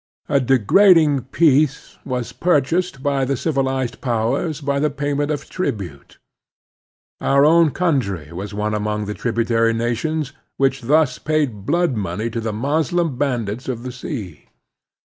A degrading peace was pur chased by the civilized powers by the payment of tribute. Our own coimtry was one among the tributary nations which thus paid blood money to the Moslem bandits of the sea.